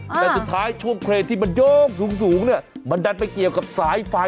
แต่สุดท้ายช่วงเครนที่มันโย่งสูงเนี่ยมันดันไปเกี่ยวกับสายไฟ